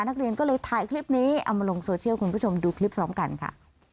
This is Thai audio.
นักเรียนก็เลยถ่ายคลิปนี้เอามาลงโซเชียลคุณผู้ชมดูคลิปพร้อมกันค่ะ